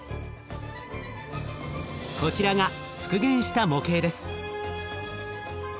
こちらが復元した模型です。